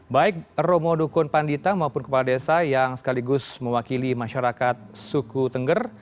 baik romo dukun pandita maupun kepala desa yang sekaligus mewakili masyarakat suku tengger